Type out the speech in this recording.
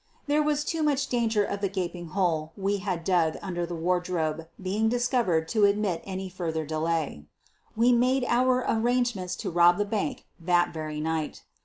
There was too much danger of the gaping hole we had dug under the wardrobe being discovered to admit of any further delay. We made our arrange ments to rob the bank that very night.